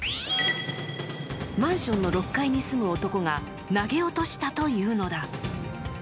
マンションの６階に住む男が投げ落としたというのだ。